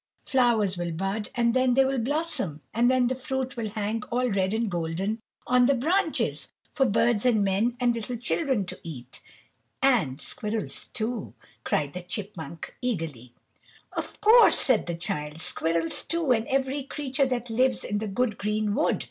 Flowers will bud, and then they will blossom, and then the fruit will hang all red and golden on the branches, for birds and men and little children to eat." "And squirrels, too!" cried the chipmunk, eagerly. "Of course!" said the Child. "Squirrels, too, and every creature that lives in the good green wood.